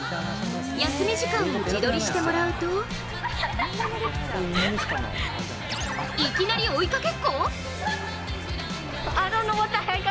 休み時間を自撮りしてもらうといきなり追いかけっこ？